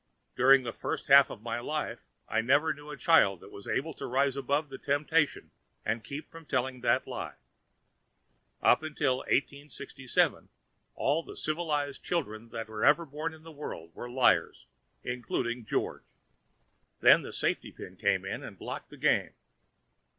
During the first half of my life I never knew a child that was able to rise above that temptation and keep from telling that lie. Up to 1867 all the civilised children that were ever born into the world were liars—including George. Then the safety pin came in and blocked the game.